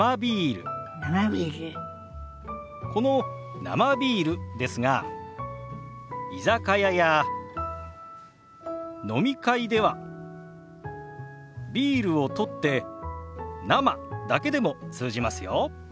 この「生ビール」ですが居酒屋や飲み会では「ビール」を取って「生」だけでも通じますよ。